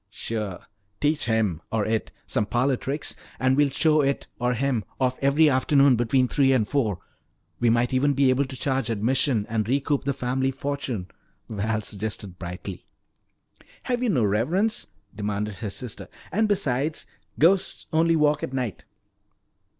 "Sure. Teach him or it some parlor tricks and we'll show it or him off every afternoon between three and four. We might even be able to charge admission and recoup the family fortune," Val suggested brightly. "Have you no reverence?" demanded his sister. "And besides, ghosts only walk at night."